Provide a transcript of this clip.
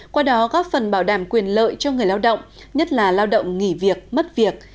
qua đó góp phần bảo đảm quyền lợi cho người lao động nhất là lao động nghỉ việc mất việc